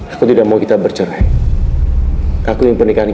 aku mau bercerai